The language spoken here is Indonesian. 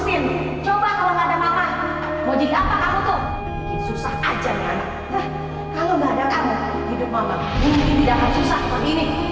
kamu tuh bapak musim